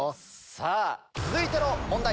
さぁ続いての問題。